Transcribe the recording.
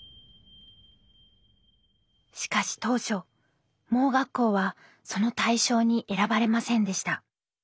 しかし当初盲学校はその対象に選ばれませんでした。